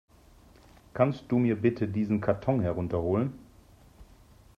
Kannst du mir bitte diesen Karton herunter holen?